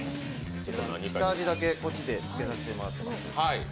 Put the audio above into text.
下味だけ、こっちでつけさせてもらってます。